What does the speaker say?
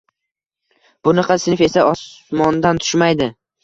Bunaqa sinf esa osmondan tushmaydi.